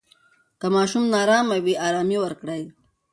که ماشوم نا آرامه وي، آرامۍ ورکړئ.